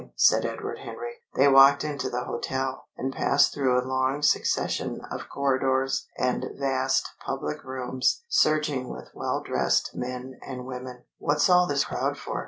said Edward Henry. They walked into the hotel, and passed through a long succession of corridors and vast public rooms surging with well dressed men and women. "What's all this crowd for?"